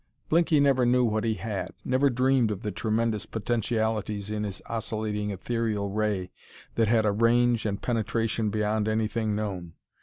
Blinky never knew what he had never dreamed of the tremendous potentialities in his oscillating ethereal ray that had a range and penetration beyond anything known.